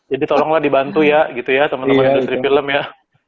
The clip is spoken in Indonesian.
jadi tolonglah dibantu ya gitu ya temen temen industri film ya